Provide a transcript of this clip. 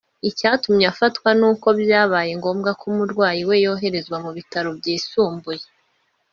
Icyatumye afatwa ni uko byabaye ngombwa ko umurwayi we yoherezwa mu bitaro byisumbuye